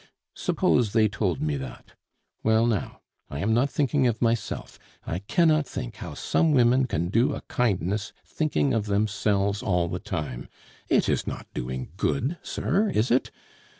Suppose they told me that. Well, now; I am not thinking of myself. I cannot think how some women can do a kindness thinking of themselves all the time. It is not doing good, sir, is it?